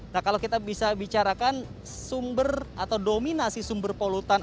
nah kalau kita bisa bicarakan sumber atau dominasi sumber polutan